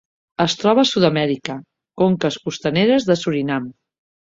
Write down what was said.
Es troba a Sud-amèrica: conques costaneres de Surinam.